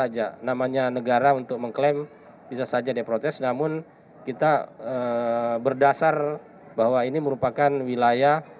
jangan lupa like share dan subscribe ya